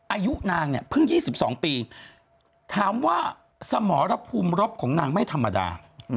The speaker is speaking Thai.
อายุนางเนี่ยเพิ่ง๒๒ปีถามว่าสมรภูมิรบของนางไม่ธรรมดา